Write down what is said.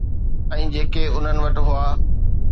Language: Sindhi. ۽ جيڪي انهن وٽ هئا.